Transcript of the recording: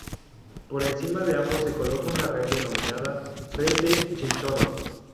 Por encima de ambos se coloca una red denominada "red de chinchorro".